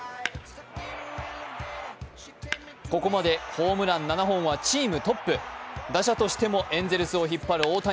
ここまでホームラン７本はチームトップ、打者としてもエンゼルスを引っ張る大谷。